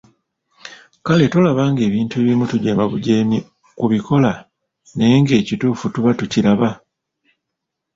Kale tolaba ng'ebintu ebimu tujeemabujeemi kubikola naye ng'ekituufu tuba tukiraba?